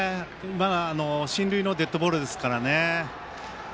進塁のデッドボールですからね。